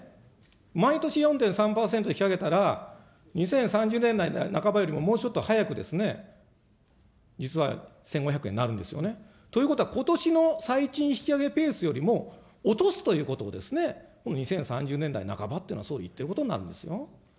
毎年４．３％引き上げたら、２０３０年代半ばよりももうちょっと早く実は１５００円になるんですよね。ということは、ことしの最賃引き上げペースよりも、落とすということですね、この２０３０年代半ばっていうのは、総理、言っていることになるんですよ。